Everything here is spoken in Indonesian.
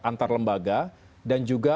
antar lembaga dan juga